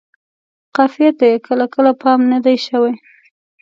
قافیې ته یې کله کله پام نه دی شوی.